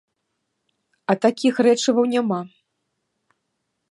А такіх рэчываў няма!